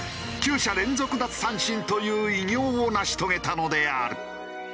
９者連続奪三振という偉業を成し遂げたのである。